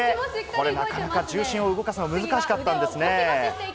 これ、なかなか重心を動かすの難しかったんですねぇ。